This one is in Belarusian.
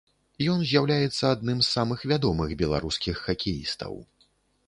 Ён з'яўляецца адным з самых вядомых беларускіх хакеістаў.